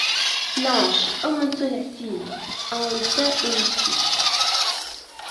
Blanche! ô mon seul asile en l’état où je suis !